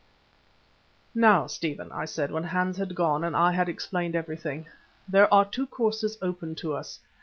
"Now, Stephen," I said when Hans had gone and I had explained everything, "there are two courses open to us.